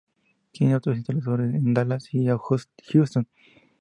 Tiene otros instalaciones en Dallas y Houston.